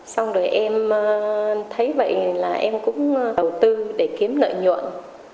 xong rồi em thấy bệnh là em cũng đầu tư để kiếm lợi nhuận